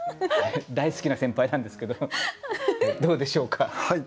大好きな先輩なんですけどどうでしょうか？